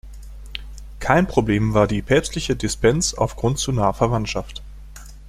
Kein Problem war die päpstliche Dispens aufgrund zu naher Verwandtschaft.